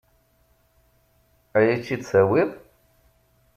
Ad iyi-tt-id-tawiḍ?